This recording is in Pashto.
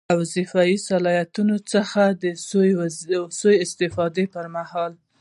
له وظیفوي صلاحیتونو څخه د سوء استفادې پر مهال.